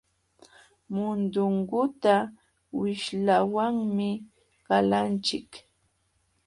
Mundunguta wishlawanmi qalanchik.